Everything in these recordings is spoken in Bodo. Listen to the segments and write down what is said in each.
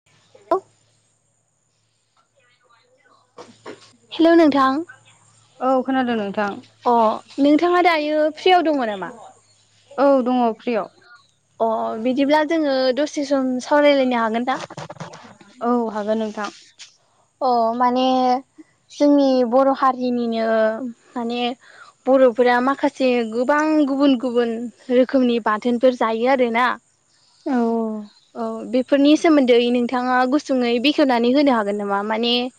[unintelligible] हेल' नोंथां? औ खोनादों नोंथां अ नोंथाङा दायो फ्रियाव दङ नामा? औ दङ फ्रियाव। अ बिदिब्ला जोङो दसे सम सावरायलायनो हागोन दा? [unintelligible] औ हागोन नोंथां। ओ माने, जोंनि बर' हारिनिनो माने बर'फोरा माखासे गोबां गुबुन-गुबुन रोखोमनि बाथोनफोर जायो आरोना। औ- औ- बेफोरनि सोमोन्दै नोंथाङा गुसुङै बेखेवनानै होनो हागोन नामा? माने-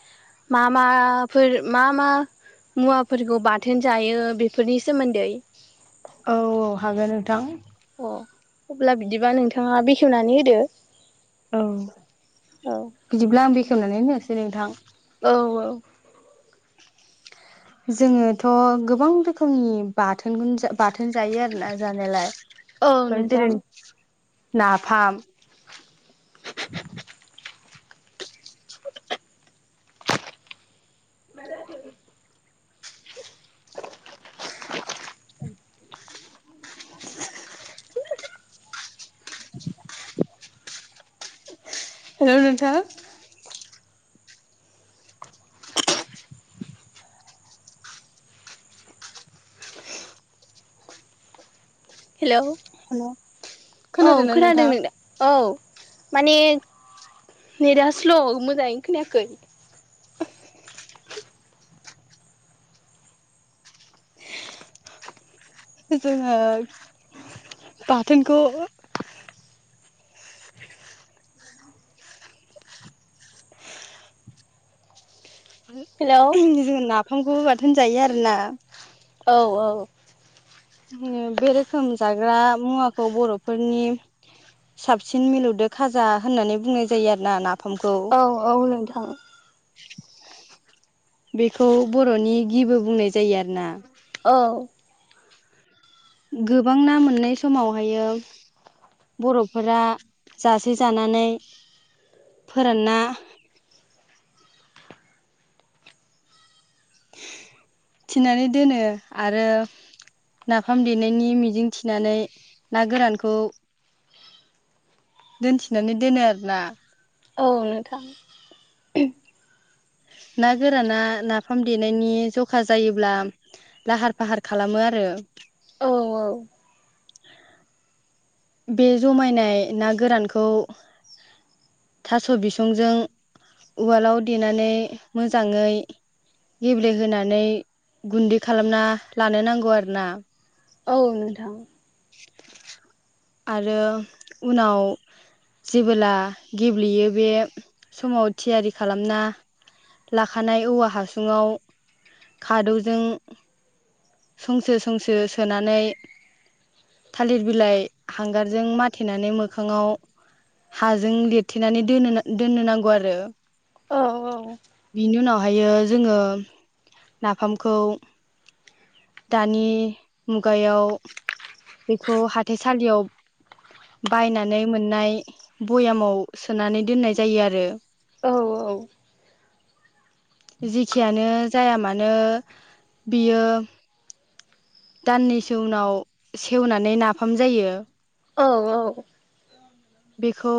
मा- माफोर मा मा- मुवाफोरखौ बाथोन जायो बेफोरनि सोमोन्दै औ- औ हागोन नोंथां। अ- अब्ला बिदिबा नोंथाङा बेखेवनानै होदो? औ- औ बिदिब्ला आं बेखेवनानै होनोसै नोंथां। औ- औ। [unintelligible] [inaudible] जोङोथ' गोबां रोखोमनि बाथोन बाथोन जायो आरोना औ जानायालाय। नोंथां जेरै नाफाम। [unintelligible] [inaudible] [unintelligible] [inaudible] [unintelligible] [inaudible] हेल' नोंथां? हेलौ औ- खोनादों नोंथां। औ- माने नेटआ स्ल' मोजाङै खोनायाखै। जोङो बाथोनखौ हेलौ जों नाफामखौ बाथोन जायो आरोना। औ- औ। बे रोखोम जाग्रा मुवाखौ बर'फोरनि- साबसिन मिलौदो खाजा होननानै बुंनाय जायो आरोना नाफामखौ। औ- औ नोंथां। बेखौ बर'नि गिबो बुंनाय जायो आरोना। औ। गोबां ना मोननाय समावहायो- बर'फोरा जासे जानानै फोरानना- थिनानै दोनो आरो- नाफाम देनायनि मिजिं थिनानै ना गोरानखौ- दोनथिनानै दोनो आरो ना। औ- नोंथां। ना गोराना नाफाम देनायनि जखा जायोब्ला। लाहार फाहार खालामो आरो औ- औ। बे जमायनाय ना गोरानखौ थास' बिसंजों उवालाव देनानै मोजाङै गेब्लेहोनानै गुन्दै खालामना लानो नांगौ आरोना। औ- नोंथां। आरो उनाव जेबोला गेब्लेयो बे समाव थियारि खालामना लाखानाय औवा हासुङाव खादौजों संसो-संसो सोनानै थालिर बिलाइ हांगारजों माथेनानै मोखाङाव हाजों लिरथेनानै दोन- दोननो नांगौ आरो। औ बिनि उनावहायो जोङो नाफामखौ दानि मुगायाव बेखौ हाथाइसालियाव बायनानै मोननाय भयामाव सोनानै दोननाय जायो आरो। औ औ जेखियानो जाया मानो बियो दाननैसो उनाव सेवनानै नाफाम जायो। औ-औ। बेखौ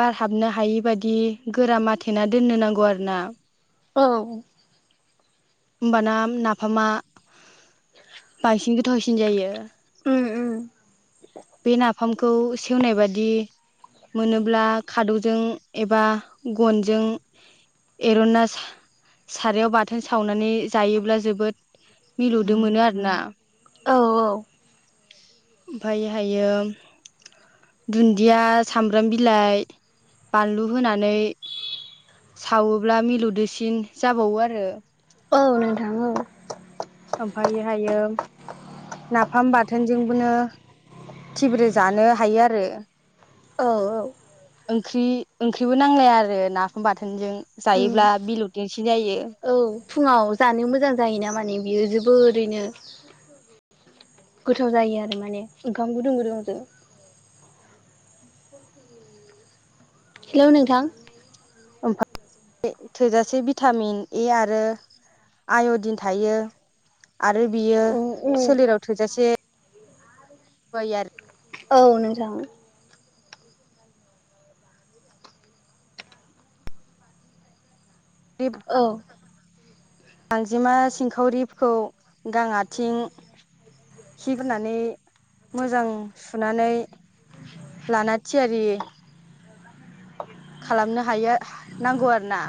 बारहाबनो हायि बादि गोरा आाथेना दोननो नांगौ आरो ना। औ। होमबाना नाफामा बांसिन गोथावसिन जायो। उम-उम। बे नाफामखौ सेवनाय बादि मोनोब्ला खादौजों एबा गनजों एर'नना सा सारायाव बाथोन सावनानै जायोब्ला जोबोद मिलौदो मोनो आरोना। औ औ आमफायहायो दुन्दिया सामब्राम बिलाइ बानलु होनानै सावोब्ला मिलौदोसिन जाबावो आरो औ नोंथां औ आमफायोहायो नाफाम बाथोनजोंबोनो थिब्रे जानो हायो आरो। औ औ ओंख्रि ओंख्रिबो नांलाया आरो नाफाम बाथोनजों। उम जायोब्ला मिलुदोनसिन जायो औ फुङाव जानो मोजां जायोना माने बियो जोबोरैनो। गोथाव जायो आरो माने ओंखाम गुदुं गुदुंजों हेलौ नोंथां ओमफा [inaudible] थोजासे भिटामिन ए आरो आयदिन थायो आरो बियो औ सोलेराव थोजासे गय आरो औ नोंथां दिब औ गांजिमा सिंखावरिखौ गां आथिं खिगारनानै मोजां सुनानै लाना थियारि खालामनो हायो नांगौ आरो ना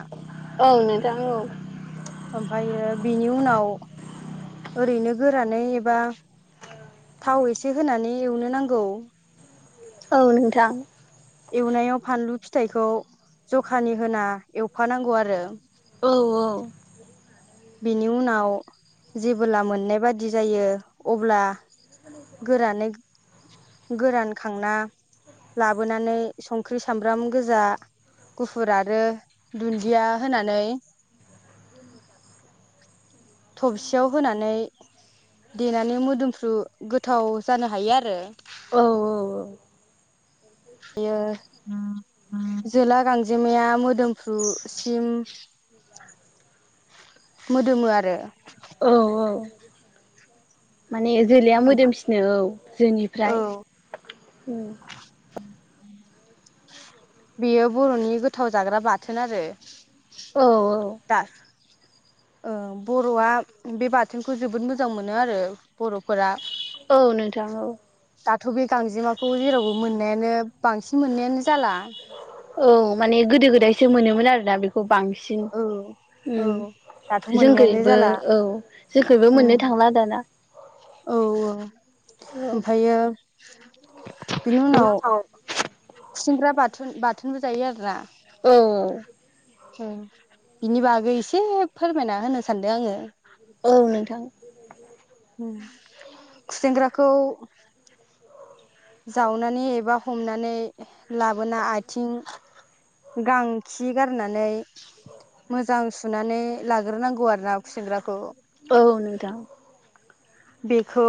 औ नोंथां औ आमफ्रायो बेनि उनाव ओरैनो गोरानै एबा थाव एसे होनानै एवनो नांगौ औ नोंथां एवनायाव फानलु फिथाइखौ जखानि होना एवफानांगौ आरो औ औ बिनि उनाव जेबोब्ला मोननाय बादि जायो अब्ला गोरानै, गोरान खांना लाबोनानै संख्रि सामब्राम गोजा गुफुर आरो दुन्दिया होनानै थबसियाव होनानै देनानै मोदोमफ्रु गोथाव जानो हायो आरो। औ बियो जोला गांजेमाया मोदोमफ्रुसिम मोदोमो आरो औ औ माने जोलैया मोदोमसिनो औ औ जोनिफ्राय, उम बेयो बर'नि गोथाव जाग्रा बाथोन आरो औ दास औ बर'आ बे बाथोनखौ जोबोद मोजां मोनो आरो बर'फोरा औ नोंथां औ दाथ' बे गांजेमाखौ जेरावबो मोननायानो बांसिन मोननायानो जाला। औ माने गोदो गोदायसो मोनोमोन आरोना बेखौ बांसिन। औ औ उम दाथ' मोननायानो जोंखइबो जाला औ जोंखइबो उम मोननो थांला दाना। औ औ औ ओमफायो बेनि उनाव औ खुसेंग्रा बाथुन बाथोनबो जायो आरोना। औ औ बिनि बागै एसे फोरमायना होनो सानदों आङो। औ नोंथां। खुसेेंग्राखौ जावनानै एबा हमनानै लाबोना आथिं गां खि गारनानै मोजां सुनानै लाग्रोनांगौ आरो ना खुसेंग्राखौ। औ नोंथां। बेखौ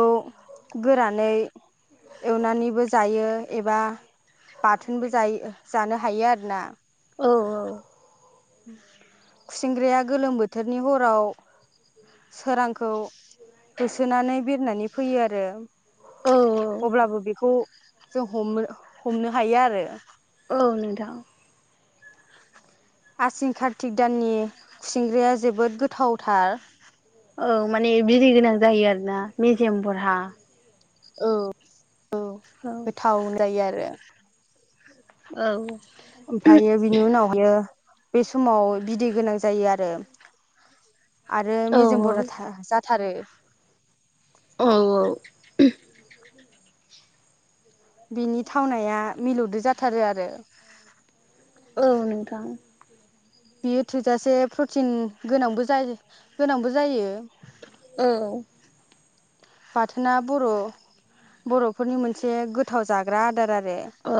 गोरानै एवनानैबो जायो एबा बाथोनबो जायो जानो हायो आरोना। औ औ खुसेंग्राया गोलोम बोथोरनि हराव सोरांखौ होसोनानै बिरनानै फैयो आरो। औ अब्लाबो बेखौ जों हमनो हमनो हायो आरो। औ नोंथां। आसिन कारतिक दाननि खुसिंग्राया जोबोद गोथावथार। औ माने बिदै गोनां जायो आरोना मेजेम बरहा। औ औ औ गोथाव जायो आरो। औ ओमफायो बिनि उनाव हायो बे समाव बिदै गोनां जायो आरो। आरो औ मेजेम बराथार जाथारो। औ औ बिनि थावनाया मिलौदो जाथारो आरो। औ नोंथां। बियो थोजासे प्रटिन गोनांबो जाय गोनांबो जायो। औ बाथोना बर' बर'फोरनि मोनसे गोथाव जाग्रा आदार आरो। औ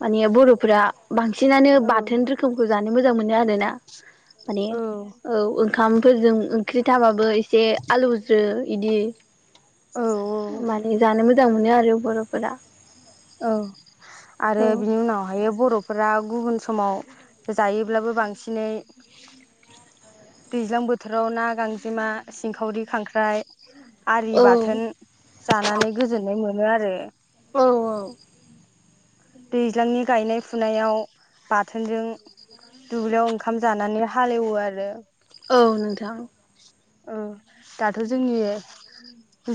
माने बर'फोरा बांसिनानो औ बाथोन रो खोमखौ जानो मोजां मोनो आरो ना माने औ ओंखामफोरजों उम ख्रि थाबाबो एसे आलौज्रो इदि औ माने जानो मो मोजां मोनो आरो बर'फोरा। औ औ आरो बिनि उनावहायो बर' फोरा गुबुन समाव जायोब्लाबो बांसिनै दैज्लां बोथोराव ना गांजेमा सिंखावरि खांख्राइ आरि औ बाथोन जानानै गोजोननाय मोनो आरो। औ औ दैज्लांनि गायनाय फुनायाव बाथोनजों दुब्लियाव ओंखाम जानानै हालेवो आरो। औ नोंथां। औ दाथ' जोंनि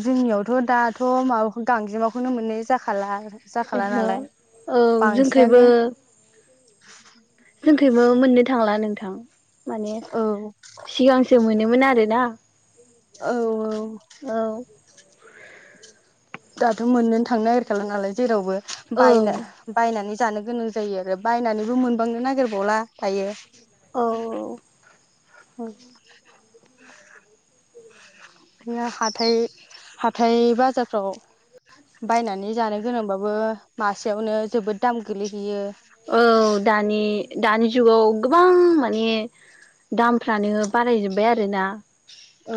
जोंनियावथ' दाथ' माबा गांजेमाखौनो मोननाय जाखाला। जाखाला ओहो नालाय औ जोंखैबो बांसिनानो जोंखैइबो मोननो थांला नोंथां माने औ सिगांसो मोनोमोन आरोना। औ औ औ दाथ' मोननोनो थांनो नागिरखाला नालाय जेरावबो औ बायनो बायनानै जानो गोनां जायो आरो बायनानैबो मोनबांनो नागिरबावला दायो। औ औ उ गैया हाथाइ हाथाइ बाजारफ्राव बायनानै जानो गोनांबाबो मासेयावनो जोबोद दाम गोलैहैयो। औ दानि दानि जुगाव गोबां माने दामफ्रानो बारायजोबबाय आरोना। औ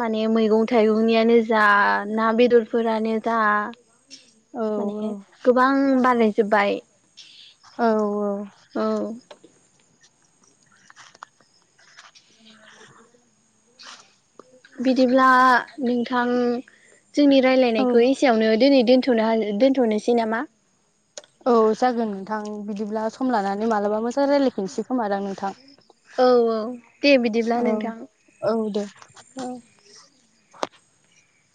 माने मैगं थाइगंनियानो जा ना बेदरफोरानो जा औ माने गोबां बारायजोबबाय औ औ औ [inaudible] बिदिब्ला नोंथां जोंनि औ रायलायनायखौ एसेयावनो दोनै दोन थ'नो हानो दोनथ'नोसै नामा? औ जागोन नोंथां बिदिब्ला सम लानानै मालाबा मोसो रायलायफिनसै खोमादां नोंथां। औ औ दे बिदिब्ला औ नोंथां औ दे औ